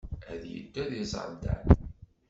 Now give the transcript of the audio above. Ad yeddu ad iẓer Dan.